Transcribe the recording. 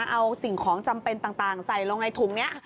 เอาสิ่งของจำเป็นต่างใส่ลงในถุงนี้